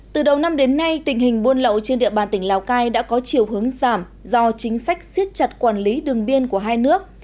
từ đầu năm đến nay tình hình buôn lậu trên địa bàn tỉnh lào cai đã có chiều hướng giảm do chính sách siết chặt quản lý đường biên của hai nước